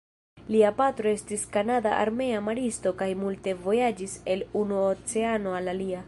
Lia patro estis kanada armea maristo kaj multe vojaĝis el unu oceano al alia.